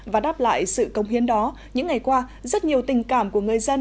và đáp lại sự công hiến đó những ngày qua rất nhiều tình cảm của người dân